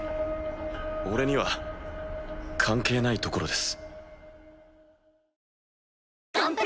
俺には関係ない所です。